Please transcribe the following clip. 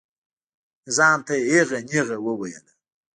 نظام ته یې ایغه نیغه وویله.